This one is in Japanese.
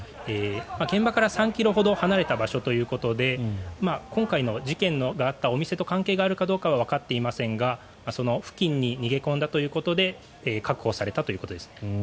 現場から３ｋｍほど離れた場所ということで今回の事件があったお店と関係があるかどうかはわかっていませんが付近に逃げ込んだということで確保されたということです。